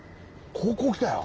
高校来たよ。